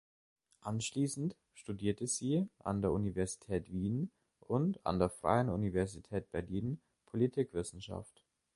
Anschließend studierte sie an der Universität Wien und an der Freien Universität Berlin Politikwissenschaft.